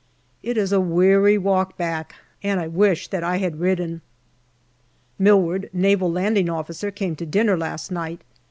It is a weary walk back, and I wish that I had ridden. Milward, Naval Landing Officer, came to dinner last night.